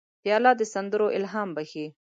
پیاله د سندرو الهام بخښي.